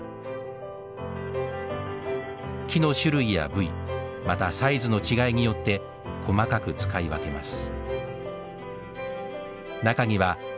木の種類や部位またサイズの違いによって細かく使い分けます。